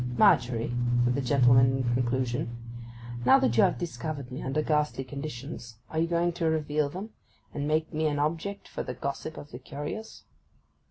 'Margery,' said the gentleman in conclusion, 'now that you have discovered me under ghastly conditions, are you going to reveal them, and make me an object for the gossip of the curious?